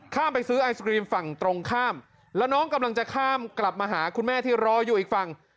ไปซื้อไอศกรีมฝั่งตรงข้ามแล้วน้องกำลังจะข้ามกลับมาหาคุณแม่ที่รออยู่อีกฝั่ง